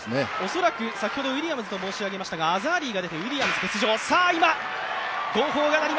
恐らく、先ほどウィリアムズと言いましたが、アザーリーが出てウィリアムズ欠場。